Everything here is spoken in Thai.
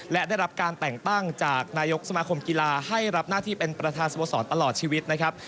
และได้รับการแต่งตั้งจากนายกสมาคมกีฬาให้รับหน้าที่เป็นประธานสโมสรตลอดชีวิตนะครับ